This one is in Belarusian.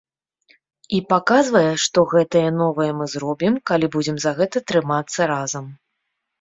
І паказвае, што гэтае новае мы зробім, калі будзем за гэта трымацца разам.